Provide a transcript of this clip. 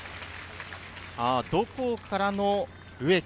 土光からの植木。